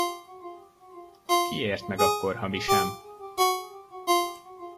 Ki ért meg akkor, ha mi sem?